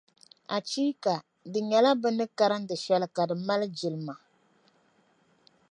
Achiika! Di nyɛla bɛ ni karindi shεli, ka di mali jilma.